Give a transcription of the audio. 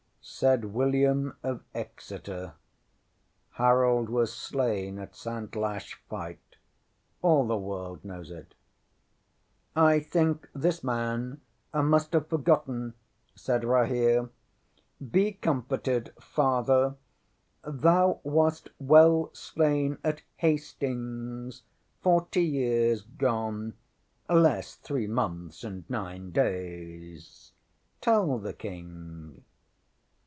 ŌĆØ ŌĆśSaid William of Exeter: ŌĆ£Harold was slain at Santlache fight. All the world knows it. ŌĆØ ŌĆśŌĆ£I think this man must have forgotten, ŌĆØ said Rahere. ŌĆ£Be comforted, Father. Thou wast well slain at Hastings forty years gone, less three months and nine days. Tell the King.